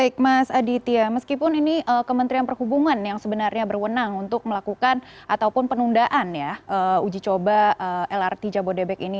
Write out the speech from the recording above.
baik mas aditya meskipun ini kementerian perhubungan yang sebenarnya berwenang untuk melakukan ataupun penundaan ya uji coba lrt jabodebek ini